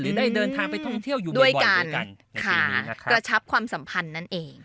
ได้เดินทางไปท่องเที่ยวอยู่ด้วยกันค่ะกระชับความสัมพันธ์นั่นเอง